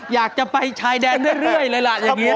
อยากจะไปชายแดงเรื่อย